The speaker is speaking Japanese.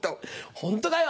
ホントかよ？